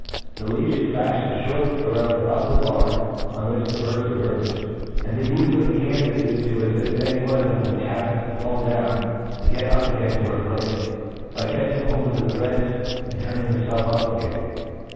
The Leash is faftened fhort around the upper bar on which the birds arc perched j and the ufc of the canvas is to aflift any one of them which happens to fall dow,h to get up again to her place, by catching hold of the threads, and turn^ ing herfelf up agsun.